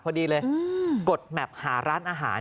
พอดีเลยกดแมพหาร้านอาหาร